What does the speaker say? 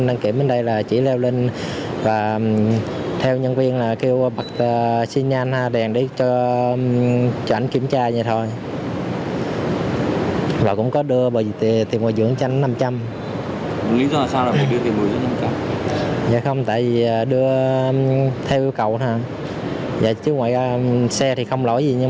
nghĩa là sao đưa tiền mùi dưỡng năm trăm linh